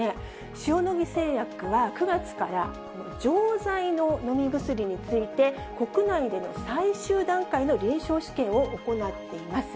塩野義製薬は９月から錠剤の飲み薬について、国内での最終段階の臨床試験を行っています。